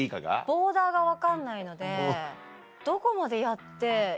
ボーダーが分かんないのでどこまでやって。